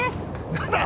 何だ！？